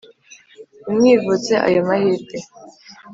ntimwivutse ayo mahirwe